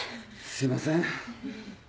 すいません。